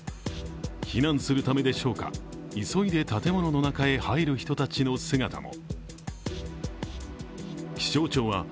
避難するためでしょうか、急いで建物の中に入る人たちの姿も。